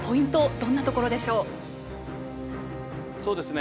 どんなところでしょう？